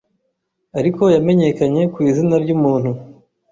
ariko yamenyekanye ku izina ryumuntu